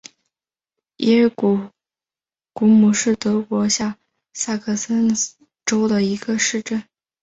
耶姆古姆是德国下萨克森州的一个市镇。